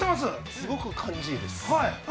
すごく感じがいいです。